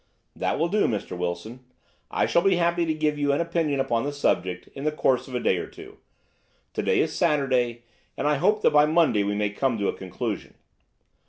"That will do, Mr. Wilson. I shall be happy to give you an opinion upon the subject in the course of a day or two. To day is Saturday, and I hope that by Monday we may come to a conclusion."